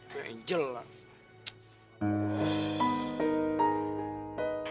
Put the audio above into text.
tuh angel lah